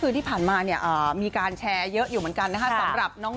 คือที่ผ่านมาเนี่ยมีการแชร์เยอะอยู่เหมือนกันนะคะสำหรับน้อง